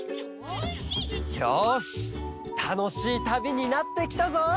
よしたのしいたびになってきたぞ！